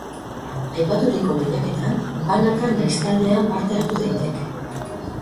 Aipaturiko lehiaketan banaka nahiz taldean parte hartu daiteke.